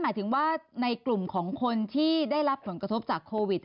หมายถึงว่าในกลุ่มของคนที่ได้รับผลกระทบจากโควิด